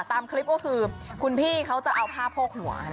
ตามคลิปก็คือคุณพี่เขาจะเอาผ้าโพกหัว